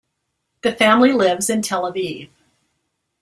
The family lives in Tel Aviv.